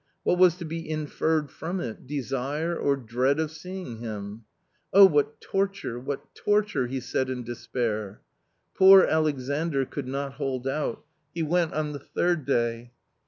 what was to be inferred from it — desire or dread of seeing him ? "Oh, what torture, what torture !" he said in despair. •Poor Alexandr could not hold out ; he went on the third day.